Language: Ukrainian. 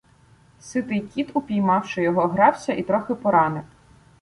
Ситий кіт, упіймавши його, грався і трохи поранив.